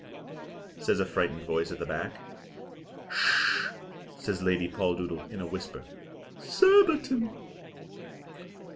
says a frightened voice at the back. "H'sh!" says Lady Poldoodle in a whisper. "Surbiton."